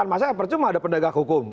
apalagi ya pendegah hukum